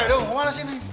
eh dong kemana sih ini